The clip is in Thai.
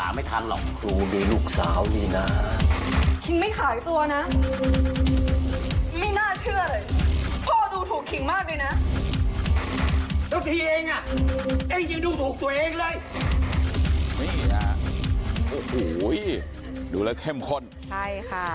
เองยังดูหกตัวเองเลยนี่ค่ะโอ้โหดูแล้วเข้มข้นใช่ค่ะ